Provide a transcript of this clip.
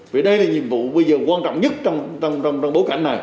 vì đây là nhiệm vụ bây giờ quan trọng nhất trong bối cảnh này